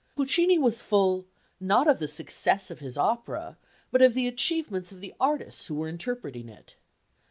Puccini was full, not of the success of his opera, but of the achievements of the artists who were interpreting it.